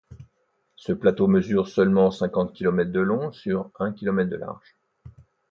Ce plateau mesure seulement cinquante kilomètres de long sur un kilomètre de large.